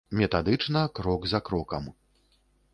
Метадычна, крок за крокам.